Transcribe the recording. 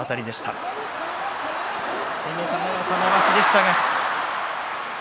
攻めたのは玉鷲でした。